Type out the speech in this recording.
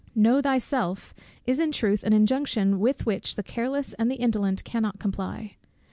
"Know thyself," is in truth an injunction with which the careless and the indolent cannot comply.